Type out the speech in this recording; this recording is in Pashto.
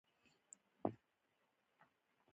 حموربي په دې ډول خاوره د ژوند کولو سمې لارې ته سمه کړه.